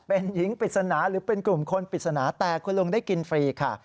เป็นหญิงปริศนาหรือเป็นกลุ่มคนปริศนาแต่คุณลุงได้กินฟรีค่ะ